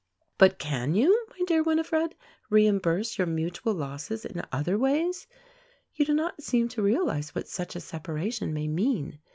But can you, my dear Winifred, reimburse your mutual losses in other ways? You do not seem to realize what such a separation may mean.